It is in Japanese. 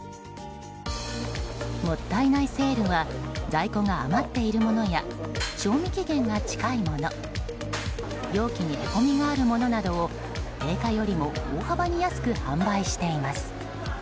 もったいないセールは在庫が余っているものや賞味期限が近いもの容器にへこみがあるものなどを定価よりも大幅に安く販売しています。